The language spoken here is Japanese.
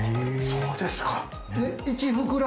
そうですか。